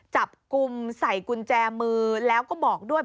จับกลุ่มใส่กุญแจมือแล้วก็บอกด้วย